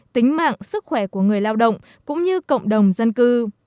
tính mạng sức khỏe của người lao động cũng như cộng đồng dân cư